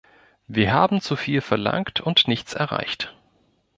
Wir haben zu viel verlangt und nichts erreicht.